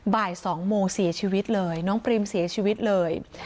บ่าย๒โมงเสียชีวิตเลยน้องปริมเสียชีวิตเลย